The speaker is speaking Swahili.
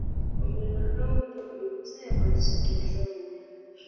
Wavulana hao hupewa ruhusa ya kuanzisha kambi zao wenyewe